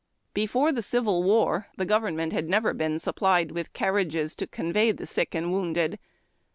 Before tlie civil war, the government hin! never been supplied with carriages to convey the sick .uid wounded.